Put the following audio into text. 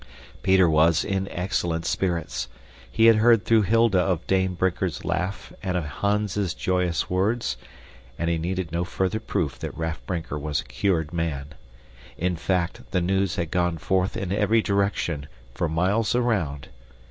Peter was in excellent spirits. He had heard through Hilda of Dame Brinker's laugh and of Hans's joyous words, and he needed no further proof that Raff Brinker was a cured man. In fact, the news had gone forth in every direction, for miles around.